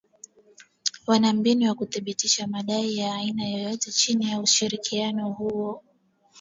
Wana mbinu za kuthibitisha madai ya aina yoyote chini ya ushirikiano huo